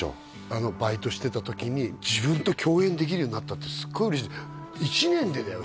あのバイトしてた時に自分と共演できるようになったってすっごい嬉しい１年でだよ